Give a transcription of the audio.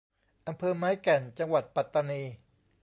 อำเภอไม้แก่น จังหวัดปัตตานี